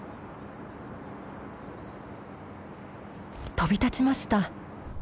飛び立ちました！